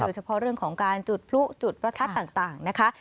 เฉพาะเรื่องของการจุดพลุจุดประทัดต่างนะคะ